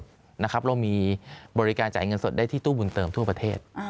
เรามีบริการจ่ายเงินสดได้ที่ตู้บุญเติมทั่วประเทศ